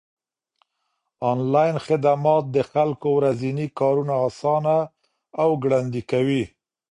انلاين خدمات د خلکو ورځني کارونه آسانه او ګړندي کوي.